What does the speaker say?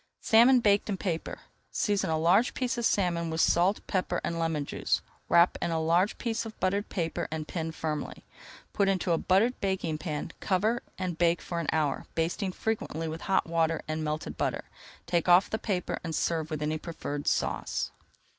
SALMON BAKED IN PAPER Season a large piece of salmon with salt, [Page 272] pepper, and lemon juice, wrap in a large piece of buttered paper and pin firmly. Put into a buttered baking pan, cover and bake for an hour, basting frequently with hot water and melted butter. Take off the paper and serve with any preferred sauce.